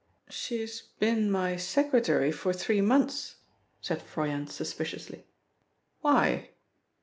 "She has been my secretary for three months," said Froyant suspiciously. "Why?"